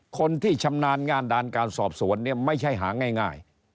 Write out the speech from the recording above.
คนที่ชำนาญงานด้านการสอบสวนเนี่ยไม่ใช่หาง่าย